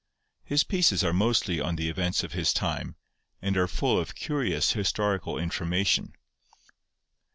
His pieces are mostly on the events of his time, and are full of curious historical information.